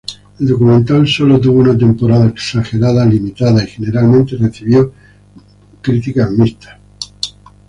El documental sólo tuvo una temporada exagerada limitada y generalmente recibió críticas mixtas.